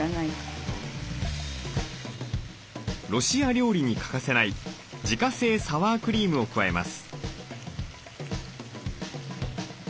ロシア料理に欠かせない自家製サワークリームを加えます。